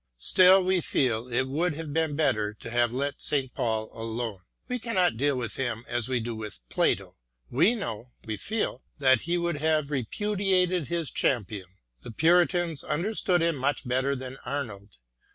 Still, we feel it would have been better to have let St. Paul alone. We cannot deal with him as we deal with Plato. We know, 'vfejeel that he would have repudiated his champion : the Puritans understood him much better than Arnold.